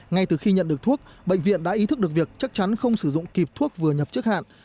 ngay từ khi nhận được thuốc bệnh viện đã ý thức được việc chắc chắn không sử dụng kịp thuốc vừa nhập trước hạn